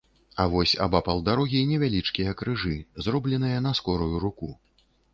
А вось абапал дарогі невялічкія крыжы, зробленыя на скорую руку.